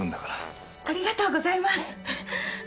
ありがとうございます！